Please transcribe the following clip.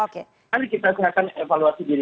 kami kita silakan evaluasi diri